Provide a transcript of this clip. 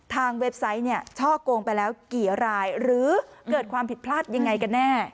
เว็บไซต์เนี่ยช่อโกงไปแล้วกี่รายหรือเกิดความผิดพลาดยังไงกันแน่